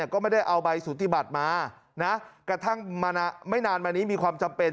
ก็ไม่ได้เอาใบสุทธิบัติมานะกระทั่งมาไม่นานมานี้มีความจำเป็น